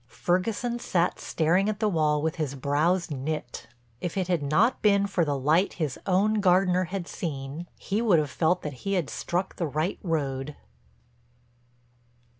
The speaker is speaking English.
Ferguson sat staring at the wall with his brows knit. If it had not been for the light his own gardener had seen he would have felt that he had struck the right road.